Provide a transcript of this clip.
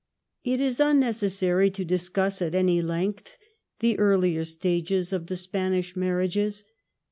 It is unneces sary to discuss at any length the earlier stages of the Spanish marriages.